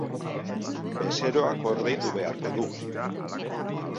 Bezeroak ordaindu beharko du.